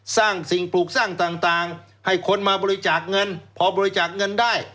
สร้างสิ่งปลูกสร้างต่างให้คนมาบริจาคเงินพอบริจาคเงินได้